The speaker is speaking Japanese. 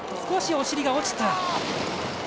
少しおしりが落ちた。